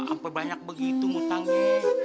ampe banyak begitu utang ji